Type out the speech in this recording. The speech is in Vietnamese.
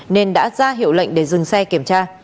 nên đã ra hiệu lệnh để dừng xe kiểm tra